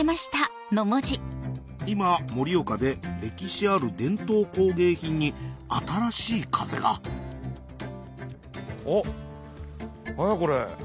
今盛岡で歴史ある伝統工芸品に新しい風があっ何やこれ。